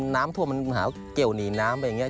น้ำท่วมมันหาเกี่ยวหนีน้ำไปอย่างนี้